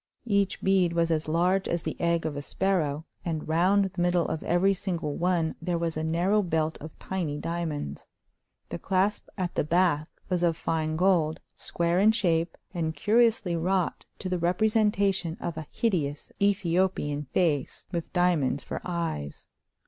Each bead was as large as the egg of a sparrow, and round the middle of every single one there was a narrow belt of tiny diamonds. The clasp at the back was of fine gold, square in shape, and curiously wrought to the representation of a hideous Ethiopian face, with diamonds for eyes.